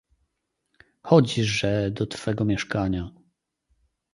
"Chodźże do twego mieszkania."